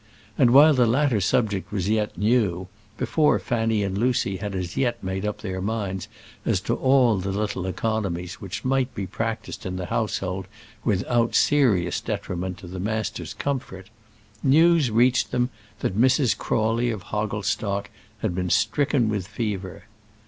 And while that latter subject was yet new, before Fanny and Lucy had as yet made up their minds as to all the little economies which might be practised in the household without serious detriment to the master's comfort, news reached them that Mrs. Crawley of Hogglestock had been stricken with fever.